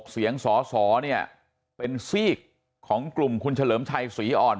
๑๖เสียงสซเนี่ยเป็นของกลุ่มคุณเฉ่นลไทยสีอ่อน